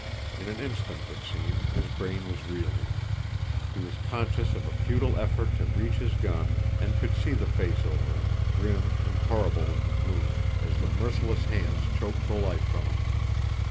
In an instant, it seemed, his brain was reeling. He was conscious of a futile effort to reach his gun, and could see the face over him, grim and horrible in the gloom, as the merciless hands choked the life from him.